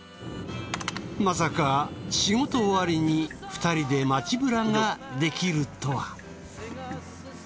まさか仕事終わりに２人で街ブラができるとは。